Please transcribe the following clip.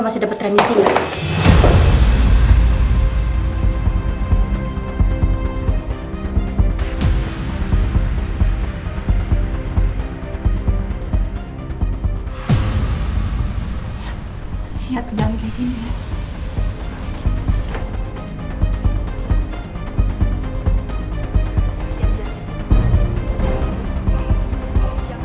siapa yang mau terribly gendum aja